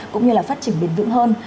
cũng như là phát triển bền vững hơn